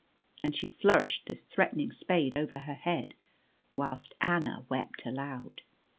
And she flourished this threatening spade over her head, whilst Anna wept aloud.